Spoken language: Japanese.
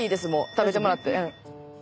食べてもらって。